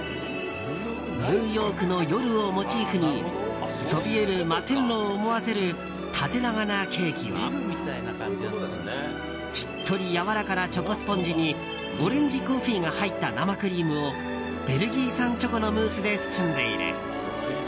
ニューヨークの夜をモチーフにそびえる摩天楼を思わせる縦長なケーキはしっとりやわらかなチョコスポンジにオレンジコンフィが入った生クリームをベルギー産チョコのムースで包んでいる。